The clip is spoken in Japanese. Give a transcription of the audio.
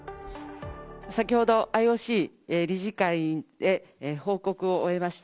先ほどＩＯＣ理事会で、報告を終えました。